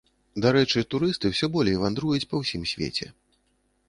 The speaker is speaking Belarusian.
Дарэчы, турысты ўсё болей вандруюць ва ўсім свеце.